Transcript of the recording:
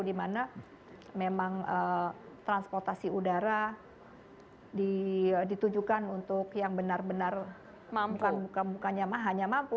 dimana transportasi udara ditujukan untuk yang benar benar mampu